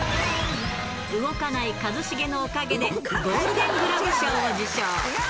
動かない一茂のおかげでゴールデン・グラブ賞を受賞。